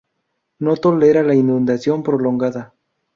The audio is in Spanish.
No tolera la inundación prolongada.